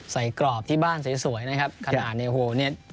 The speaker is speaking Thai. ใส่กรอบที่บ้านสวยนะครับขนาดเนี่ยโห